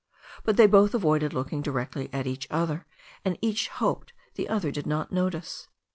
But they both avoided looking directly at each other, and each hoped the other did not notice it.